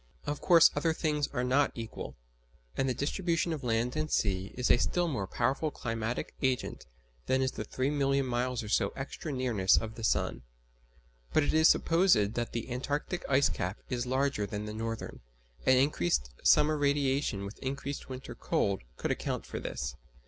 Of course other things are not equal, and the distribution of land and sea is a still more powerful climatic agent than is the three million miles or so extra nearness of the sun. But it is supposed that the Antarctic ice cap is larger than the northern, and increased summer radiation with increased winter cold would account for this.